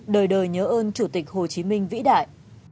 đời đời nhớ ơn chủ tịch hồ chí minh vĩ đại